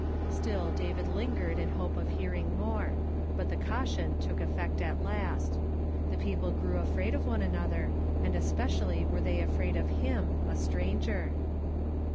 Still David lingered in liope of hearing more; but th«! caution took cttect at last. The people grew afraid of one another, and especially were they afraid of him, a stranger.